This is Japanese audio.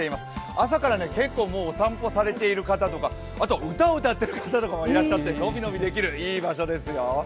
朝から結構お散歩されている方とか歌を歌っている方とかもいらっしゃって、のびのびできるいい場所ですよ。